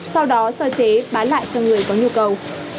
sau đó sơ chế bán lại cho người có nhu cầu